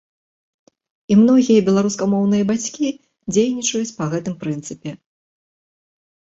І многія беларускамоўныя бацькі дзейнічаюць па гэтым прынцыпе.